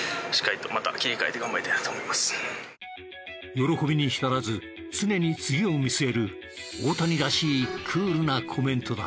喜びに浸らず常に次を見据える大谷らしいクールなコメントだ。